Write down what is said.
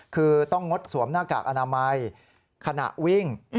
คือต้องงดสวมหน้ากากอนามัยขณะวิ่ง